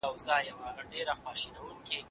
پوهانو ويل چې ژوند به بدلون ومومي.